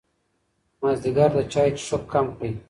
مازدیګر د چای څښل کم کړئ.